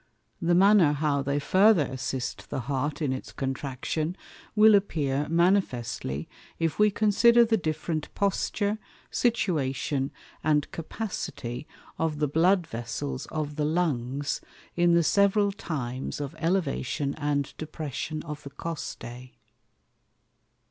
The manner how they farther assist the Heart in its Contraction, will appear manifestly, if we consider the different Posture, Situation, and Capacity of the Blood Vessels of the Lungs in the several times of Elevation and Depression of the Costæ.